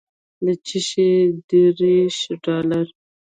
د چشي دېرش ډالره.